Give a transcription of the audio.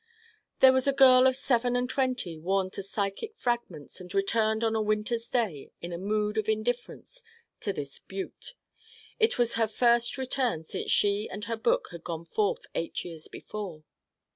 There was a girl of seven and twenty worn to psychic fragments and returned on a winter's day in a mood of indifference to this Butte. It was her first return since she and her book had gone forth eight years before.